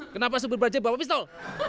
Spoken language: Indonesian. kenapa sopir bajaj bawa pistol